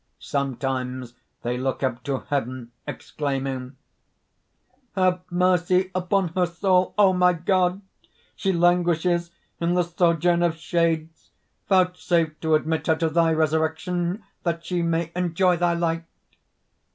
Sometimes they look up to heaven, exclaiming_: ) "Have mercy upon her soul, O my God! She languishes in the sojourn of Shades; vouchsafe to admit her to thy Resurrection, that she may enjoy Thy Light!"